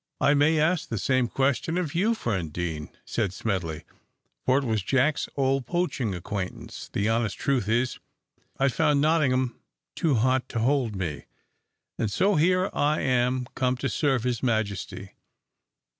"I may ask the same question of you, friend Deane," said Smedley, for it was Jack's old poaching acquaintance. "The honest truth is, I found Nottingham too hot to hold me, and so here I am come to serve his majesty.